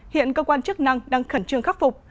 hiện cơ quan chức năng đang khẩn trương khắc phục